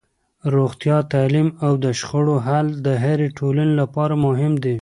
روغتیا، تعلیم او د شخړو حل د هرې ټولنې لپاره مهم دي.